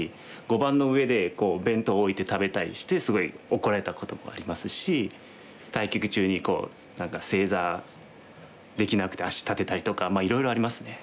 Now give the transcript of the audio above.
碁盤の上で弁当置いて食べたりしてすごい怒られたこともありますし対局中に何か正座できなくて足立てたりとかいろいろありますね。